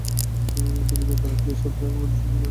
তবে যাত্রার দুই সপ্তাহের আগে বৈদেশিক মুদ্রা ইস্যু করা যাবে না।